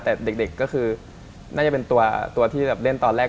แต่เด็กก็คือน่าจะเป็นตัวที่เล่นตอนแรก